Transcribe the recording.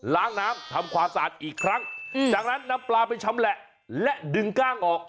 ล้างน้ำทำความสะอาดอีกครั้งจากนั้นนำปลาไปชำแหละและดึงกล้างออก